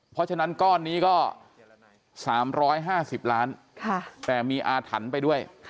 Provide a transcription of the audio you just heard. เพราะฉะนั้นก้อนนี้ก็๓๕๐ล้านแต่มีอาถรรพ์ไปด้วย